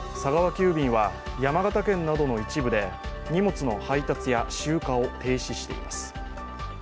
急便は山形県などの一部で荷物の配達や集荷を停止しています。